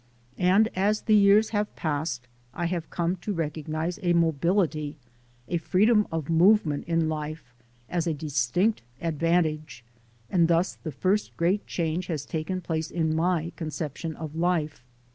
And as the years have passed I have come to recognize a mobility, a freedom of movement in life, as a distinct advantage, and thus the first great change has taken place in my conception of life.